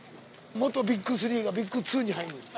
元ＢＩＧ３がビッグⅡに入る。